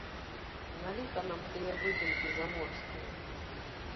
На ліха нам тыя выдумкі заморскія?